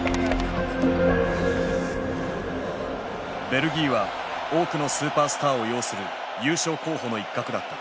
ベルギーは多くのスーパースターを擁する優勝候補の一角だった。